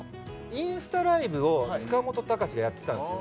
インスタライブを塚本高史がやってたんですよ